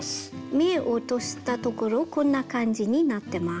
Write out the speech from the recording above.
目落としたところこんな感じになってます。